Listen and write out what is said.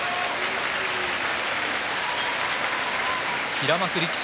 平幕力士